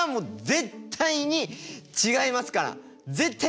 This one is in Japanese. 絶対に違いますからね！